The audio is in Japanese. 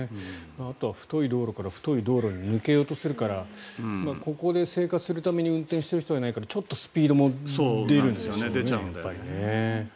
あとは太い道路から太い道路に抜けようとするからここで生活するために運転している人はいないからちょっとスピードも出るんでしょうね。